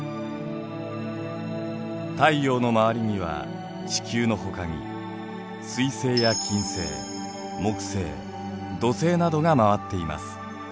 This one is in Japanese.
太陽の周りには地球のほかに水星や金星木星土星などが回っています。